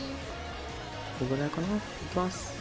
これぐらいかな？いきます。